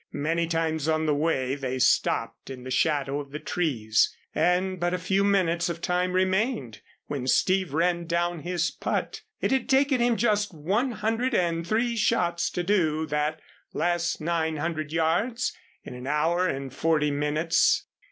Many times on the way they stopped in the shadow of the trees, and but a few minutes of time remained when Steve ran down his putt. It had taken him just one hundred and three shots to do that last nine hundred yards in an hour and forty minutes.